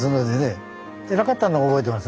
えらかったのを覚えてますね。